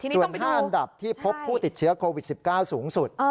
ส่วน๕อันดับที่พบผู้ติดเชื้อโควิด๑๙สูงสุด